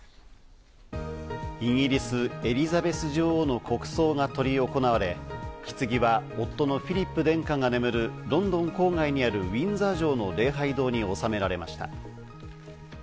イギリス、エリザベス女王の国葬が執り行われ、ひつぎは夫のフィリップ殿下が眠るロンドン郊外にあるウィンザー城の礼拝堂に納められました。